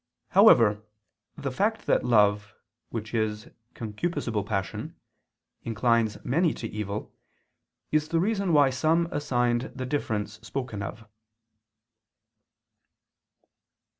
However, the fact that love, which is concupiscible passion, inclines many to evil, is the reason why some assigned the difference spoken of.